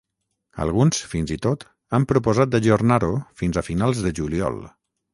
Alguns, fins i tot, han proposat d’ajornar-ho fins a finals de juliol.